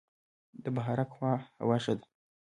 د بهارک هوا ښه ده